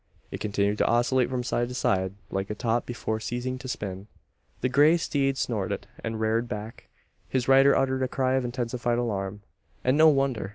It continued to oscillate from side to side, like a top before ceasing to spin. The grey steed snorted, and reared back. His rider uttered a cry of intensified alarm. And no wonder.